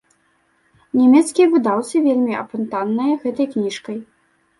Нямецкія выдаўцы вельмі апантаныя гэтай кніжкай.